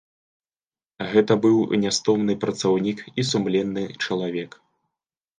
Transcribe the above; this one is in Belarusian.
Гэта быў нястомны працаўнік і сумленны чалавек.